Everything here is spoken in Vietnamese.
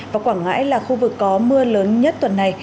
và quảng ngãi là khu vực có mưa lớn nhất tuần này